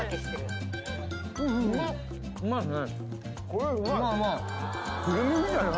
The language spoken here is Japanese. うまいっすね。